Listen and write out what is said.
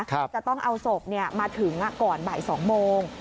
จะต้องเอาศพมาถึงก่อนบ่าย๒โมง